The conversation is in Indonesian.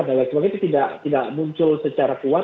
dan lain sebagainya itu tidak muncul secara kuat